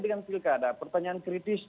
dengan pilkada pertanyaan kritis